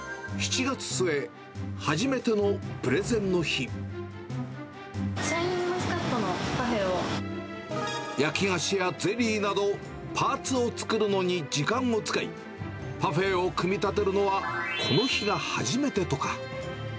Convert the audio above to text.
７月末、シャインマスカットのパフェ焼き菓子やゼリーなど、パーツを作るのに時間を使い、パフェを組み立てるのは、この日が初めてとか。